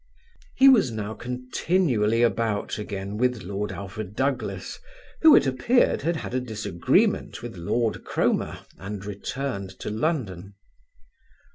He was now continually about again with Lord Alfred Douglas who, it appeared, had had a disagreement with Lord Cromer and returned to London.